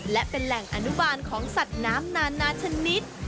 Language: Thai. และเป็นแหล่งอนุบาลของสัตว์น้ำนานนาชนิด